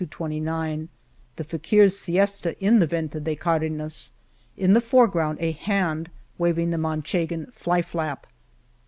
228 The fakirs' siesta in the Venta de Cardenas, In the foreground a hand waving the Manchegan fly flap.